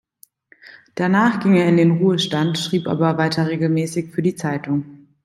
Danach ging er in den Ruhestand, schrieb aber weiter regelmäßig für die Zeitung.